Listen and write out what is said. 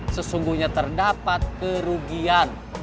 sesungguhnya terdapat kerugian